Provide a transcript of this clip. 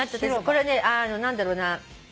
これはね何だろうな。